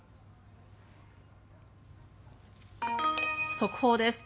速報です。